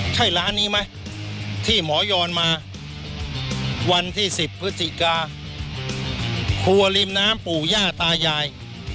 ใช่ร้านนี้ไหมที่หมอยอนมาวันที่๑๐พฤศจิกาครัวริมน้ำปู่ย่าตายาย